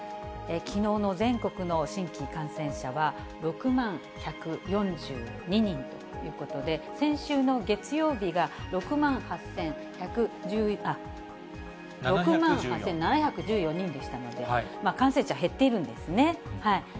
きのうの全国の新規感染者は６万１４２人ということで、先週の月曜日が６万８７１４人でしたので、感染者、減っているんですね。